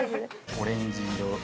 オレンジ色。